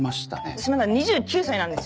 私まだ２９歳なんですよ。